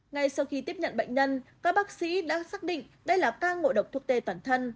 ngay sau khi tiếp nhận bệnh nhân các bác sĩ đã xác định đây là ca ngộ độc thuốc tê toàn thân